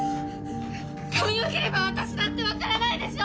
髪を切れば私だって分からないでしょ！